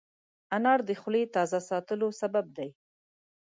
انار د خولې تازه ساتلو سبب دی.